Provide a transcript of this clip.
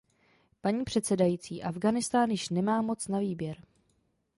Paní předsedající, Afghánistán již nemá moc na výběr.